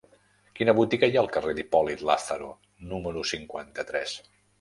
Quina botiga hi ha al carrer d'Hipòlit Lázaro número cinquanta-tres?